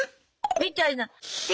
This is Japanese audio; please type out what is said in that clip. みたいな。